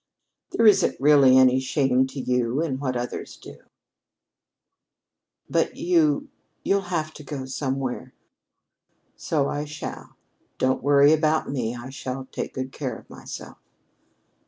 "There isn't really any shame to you in what others do," Kate said. "But you you'll have to go somewhere." "So I shall. Don't worry about me. I shall take good care of myself."